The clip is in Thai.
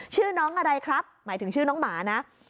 ชื่อน้องอะไรครับหมายถึงชื่อน้องหมานะ